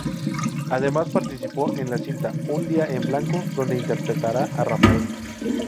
Además participó en la cinta "Un día en blanco" donde interpretará a Rafael.